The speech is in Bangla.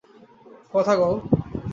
কথা কও।